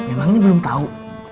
emang ini belum tahu